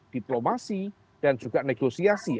diplomasi dan juga negosiasi